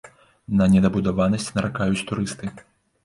На недабудаванасць наракаюць турысты.